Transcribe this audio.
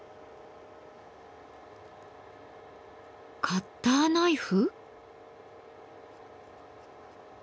カッターナイフ？